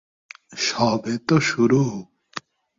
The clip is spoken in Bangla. সবে তো শুরু!